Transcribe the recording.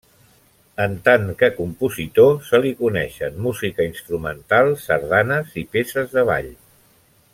En tant que compositor, se li coneixen música instrumental, sardanes i peces de ball.